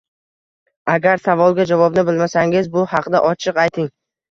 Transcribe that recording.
Agar savolga javobni bilmasangiz, bu haqda ochiq ayting.